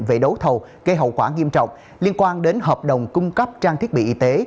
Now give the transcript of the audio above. về đấu thầu gây hậu quả nghiêm trọng liên quan đến hợp đồng cung cấp trang thiết bị y tế